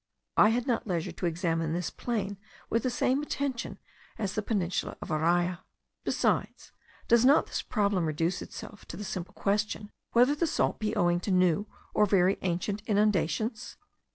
I had not leisure to examine this plain with the same attention as the peninsula of Araya. Besides, does not this problem reduce itself to the simple question, whether the salt be owing to new or very ancient inundations?